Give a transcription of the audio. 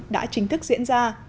đã chính thức diễn ra